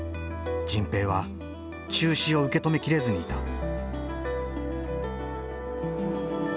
迅平は中止を受け止めきれずにいた。